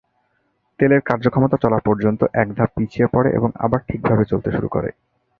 তেলের কার্যক্ষমতা চলা পর্যন্ত এক ধাপ পিছিয়ে পড়ে এবং আবার ঠিকভাবে চলতে শুরু করে।